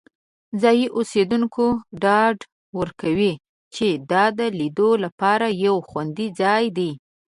ځایی اوسیدونکي ډاډ ورکوي چې دا د لیدو لپاره یو خوندي ځای دی.